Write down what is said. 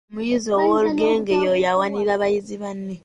Omuyizzi w’olugenge y’oyo awanirira bayizzi banne.